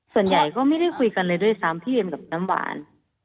ส่วนใหญ่ก็ไม่ได้คุยกันเลยด้วยซ้ำพี่เอ็มกับน้ำหวาน